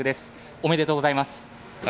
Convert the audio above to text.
おめでとうございます。